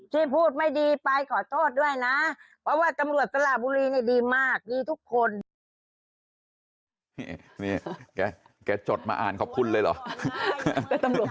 จำไม่ค่อยได้หรอกแต่ก็พูดกับเขาไม่ดีนะแต่เขาก็พูดดี